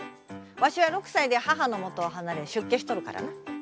わしは６歳で母のもとを離れ出家しとるからな。